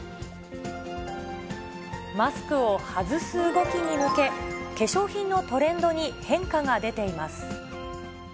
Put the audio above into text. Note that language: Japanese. マスクを外す動きに向け、化粧品のトレンドに変化が出ています。